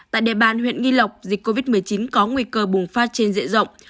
tại địa bàn huyện nghi lộc dịch covid một mươi chín có nguy cơ bùng phát trên diện rộng